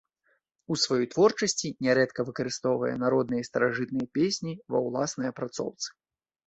У сваёй творчасці нярэдка выкарыстоўвае народныя і старажытныя песні ва ўласнай апрацоўцы.